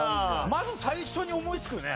まず最初に思いつくよね